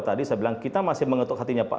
tadi saya bilang kita masih mengetuk hatinya pak